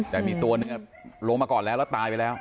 แต่มีตัวเนี่ยลงมาก่อนแล้วตายไปแล้ว